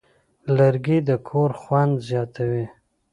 لرګی د کور خوند زیاتوي.